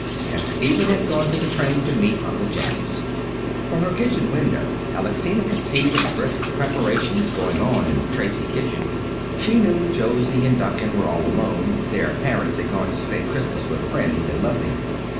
And Stephen had gone to the train to meet Uncle James. From her kitchen window Alexina could see brisk preparations going on in the Tracy kitchen. She knew Josie and Duncan were all alone; their parents had gone to spend Christmas with friends in Lessing.